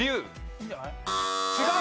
いいんじゃない？